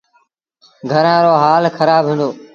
گھرآݩ رو هآل کرآب هُݩدو۔